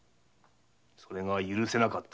それが許せなかった。